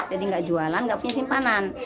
jadi nggak jualan nggak punya simpanan